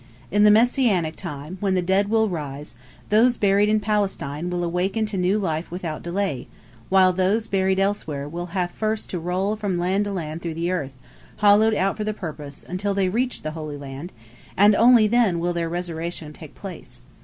In the Messianic time, when the dead will rise, those buried in Palestine will awaken to new life without delay, while those buried elsewhere will first have to roll from land to land through the earth, hollowed out for the purpose, until they reach the Holy Land, and only then will their resurrection take place.